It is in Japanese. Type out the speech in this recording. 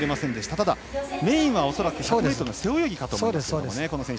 ただ、メインは恐らく１００ｍ背泳ぎかと思います。